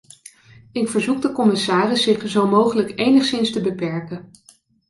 Ik verzoek de commissaris zich zo mogelijk enigszins te beperken.